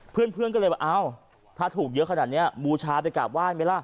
เพื่อนเพื่อนก็เลยว่าอ้าวถ้าถูกเยอะขนาดเนี้ยบูชาไปกลับว่ายไหมล่ะ